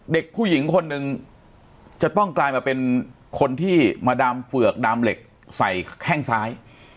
เด็กผู้หญิงคนหนึ่งจะต้องกลายมาเป็นคนที่มาดามเฝือกดามเหล็กใส่แข้งซ้าย